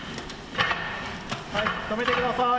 はい止めてください！